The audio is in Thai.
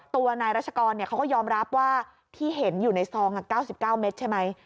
ตัวนายรัชกรเขาก็ยอมรับว่าที่เห็นอยู่ในซอง๙๙เมตรใช่ไหม